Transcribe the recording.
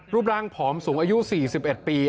รูปร่างผอมสูงอายุ๔๑ปี